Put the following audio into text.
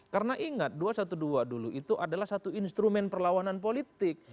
karena ingat dua ratus dua belas dulu itu adalah satu instrumen perlawanan politik